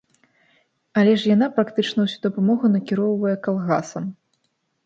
Але ж яна практычна ўсю дапамогу накіроўвае калгасам.